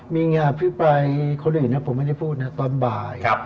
มีงานอภิปรายคนอื่นนะผมไม่ได้พูดนะตอนบ่าย